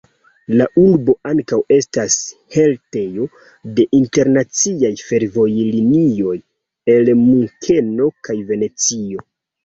La urbo ankaŭ estas haltejo de internaciaj fervojlinioj el Munkeno kaj Venecio.